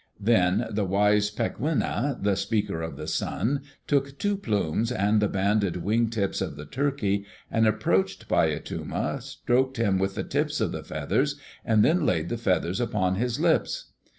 Then the wise Pekwinna, the Speaker of the Sun, took two plumes and the banded wing tips of the turkey, and approaching Paiyatuma stroked him with the tips of the feathers and then laid the feathers upon his lips....